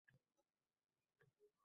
Zal haqida gap ketyotgan edi!